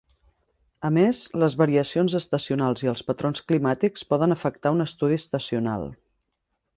A més, les variacions estacionals i els patrons climàtics poden afectar un estudi estacional.